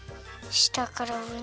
したからうえに。